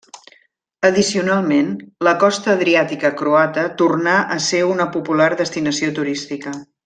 Addicionalment, la costa adriàtica croata tornà a ser una popular destinació turística.